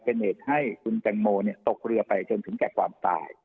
เป็นเหตุให้คุณแตงโมตกเรือไปจนถึงแก่ความตาย